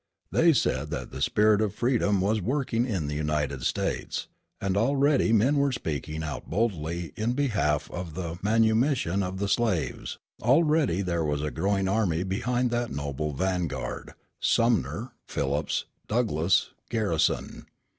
They said that the spirit of freedom was working in the United States, and already men were speaking out boldly in behalf of the manumission of the slaves; already there was a growing army behind that noble vanguard, Sumner, Phillips, Douglass, Garrison.